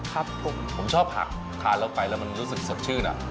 ครับผมผมชอบหักทานเราก็ไปแล้วมันใช้มันรู้สึกสะชื่นอ่ะ